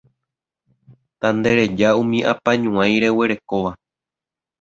Tandereja umi apañuái reguerekóva